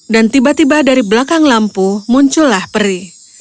dan tiba tiba dari belakang lampu muncullah peri